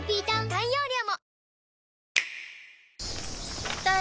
大容量も！